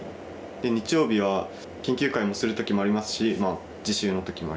日曜日は研究会もする時もありますし自習の時もあります